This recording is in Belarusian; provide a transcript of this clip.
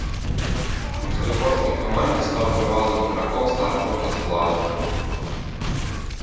У салігорскай камандзе стаў трывалым іграком стартавага складу.